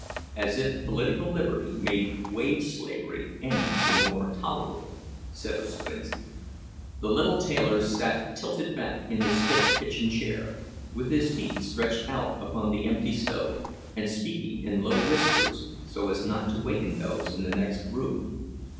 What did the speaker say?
As if political liberty made wage slavery any the more tolerable! said Ostrinski. The little tailor sat tilted back in his stiff kitchen chair, with his feet stretched out upon the empty stove, and speaking in low whispers, so as not to waken those in the next room.